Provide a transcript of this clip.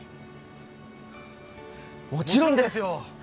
もちろんですよ！